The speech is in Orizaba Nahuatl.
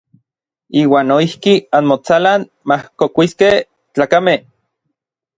Iuan noijki anmotsalan majkokuiskej tlakamej.